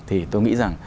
thì tôi nghĩ rằng